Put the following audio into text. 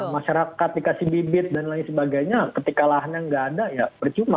masyarakat dikasih bibit dan lain sebagainya ketika lahannya nggak ada ya percuma